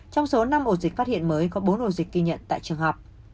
trong số năm ổ dịch phát hiện mới có bốn ổ dịch ghi nhận tại trường học